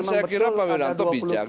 dan saya kira pak wiranto bijak